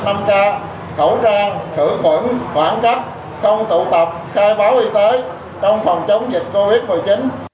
khẩu trang thử khuẩn khoảng cách không tụ tập khai báo y tế trong phòng chống dịch covid một mươi chín